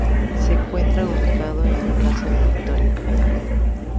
Se encuentra ubicado en la Plaza de la Victoria.